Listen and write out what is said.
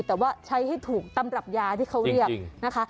แต่ว่าใช้ให้ถูกตามกับยาที่เค้าเรียก